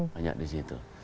hanya di situ